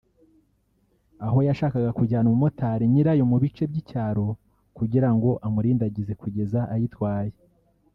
aho yashakaga kujyana umumotari nyirayo mu bice by’icyaro kugira ngo amurindagize kugeza ayitwaye